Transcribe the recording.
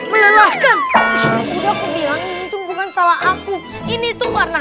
kakak saya kan luar nah